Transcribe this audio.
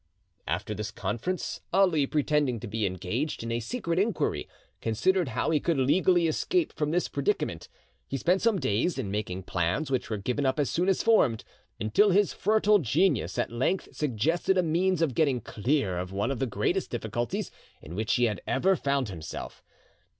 After this conference, Ali, pretending to be engaged in a secret inquiry, considered how he could legally escape from this predicament. He spent some days in making plans which were given up as soon as formed, until his fertile genius at length suggested a means of getting clear of one of the greatest difficulties in which he had ever found himself.